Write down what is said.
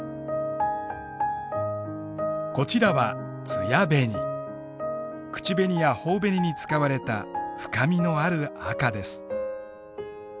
こちらは口紅やほお紅に使われた深みのある赤です。